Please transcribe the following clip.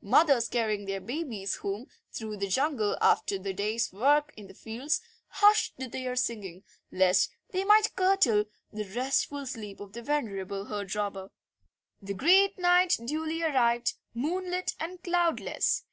Mothers carrying their babies home through the jungle after the day's work in the fields hushed their singing lest they might curtail the restful sleep of the venerable herd robber. The great night duly arrived, moonlit and cloudless.